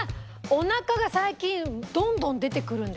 お腹が最近どんどん出てくるんですよ。